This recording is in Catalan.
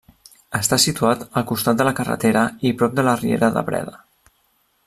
Està situat al costat de la carretera i prop de la riera de Breda.